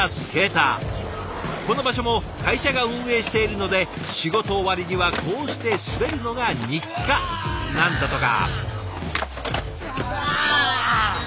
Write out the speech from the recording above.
この場所も会社が運営しているので仕事終わりにはこうして滑るのが日課なんだとか。